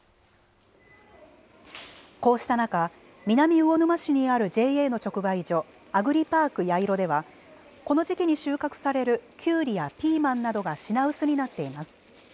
こうした中、南魚沼市にあるＪＡの直売所あぐりぱーく八色ではこの時期に収穫されるきゅうりやピーマンなどが品薄になっています。